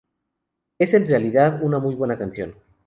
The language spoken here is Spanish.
Es en realidad una muy buena canción!